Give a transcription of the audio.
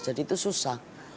jadi itu susah